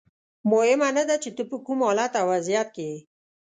مهمه نه ده چې ته په کوم حالت او وضعیت کې یې.